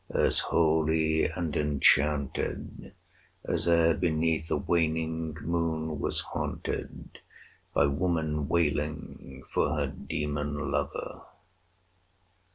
as holy and enchanted As e'er beneath a waning moon was haunted 15 By woman wailing for her demon lover!